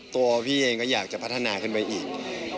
ตัวพี่เองก็อยากจะพัฒนาขึ้นไปอีก